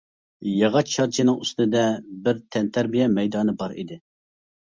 ياغاچ شارچىنىڭ ئۈستىدە بىر تەنتەربىيە مەيدانى بار ئىدى.